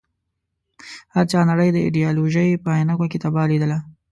هر چا نړۍ د ایډیالوژۍ په عينکو کې تباه ليدله.